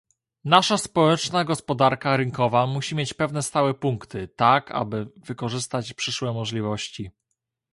Nasza społeczna gospodarka rynkowa musi mieć pewne stałe punkty, tak aby wykorzystywać przyszłe możliwości